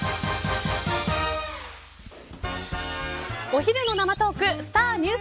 お昼の生トークスター☆